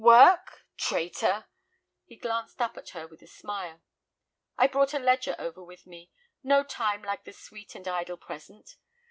"Work, traitor!" He glanced up at her with a smile. "I brought a ledger over with me. No time like the sweet and idle present.